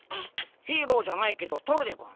ヒーローじゃないけど取るでゴンスよ。